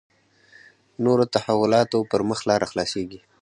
نورو تحولاتو پر مخ لاره خلاصېږي.